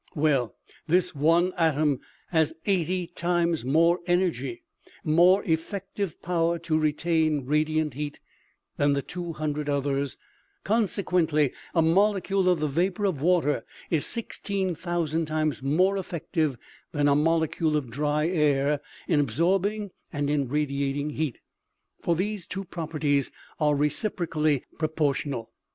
Well, this one atom has eigh ty times more energy, more effective power to retain radiant heat, than the two hundred others ; consequently, a molecule of the vapor of water is 16,000 times more effective than a molecule of dry air, in absorbing and in radiating heat for these two properties are reciprocally proportional.